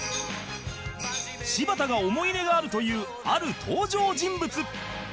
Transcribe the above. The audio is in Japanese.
柴田が思い入れがあるというある登場人物